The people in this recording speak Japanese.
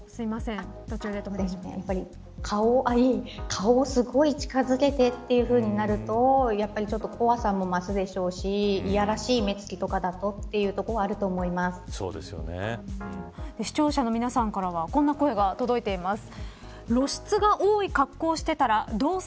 顔をすごい近づけてというふうになるとやっぱり怖さも増すでしょうしいやらしい目つきとかだと視聴者の皆さんからはこんな声が届いています。